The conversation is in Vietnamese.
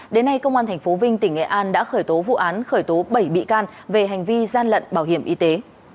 đến nay công an tp vinh tỉnh nghệ an đã khởi tố vụ án khởi tố bảy bị can về hành vi gian lận bảo hiểm y tế